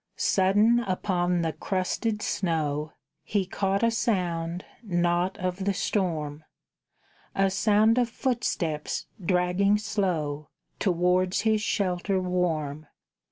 Sudden upon the crusted snow He caught a sound not of the storm A sound of footsteps dragging slow Towards his shelter warm.